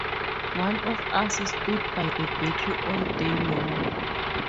One of us stood by the battery all day long.